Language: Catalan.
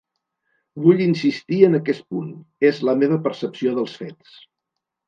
Vull insistir en aquest punt: és la meva percepció dels fets.